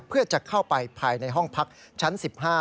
เพื่อจะเข้าไปภายในห้องพักชั้น๑๕